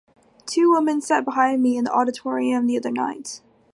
Two women sat behind me at the Auditorium the other night.